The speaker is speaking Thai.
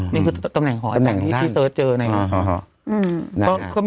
นี่คือตำแหน่งของอาจารย์ที่เซิร์ชเจอ